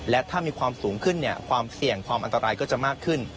และถ้ามีความสูงขึ้นความเสี่ยงความอันตรายก็จะมากขึ้น